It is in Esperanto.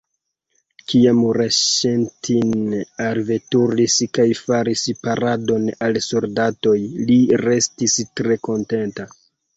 Kiam Reŝetin alveturis kaj faris paradon al soldatoj, li restis tre kontenta.